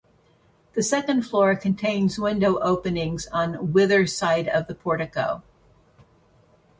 The second floor contains window openings on wither side of the portico.